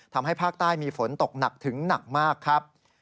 ทำให้ภาคใต้มีฝนตกหนักถึงหนักมากครับ